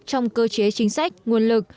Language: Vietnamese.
trong cơ chế chính sách nguồn lực